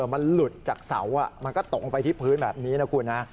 มันหลุดจากเสามันก็ตกลงไปที่พื้นแบบนี้นะคุณนะ